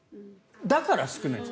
だから少ないんです。